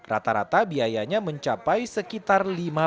rata rata biayanya mencapai sekitar rp tiga puluh miliar